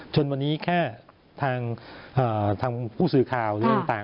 วันนี้แค่ทางผู้สื่อข่าวเรื่องต่าง